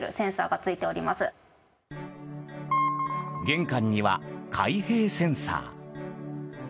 玄関には開閉センサー。